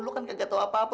lu kan kagak tau apa apa